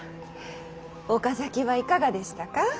岡崎はいかがでしたか？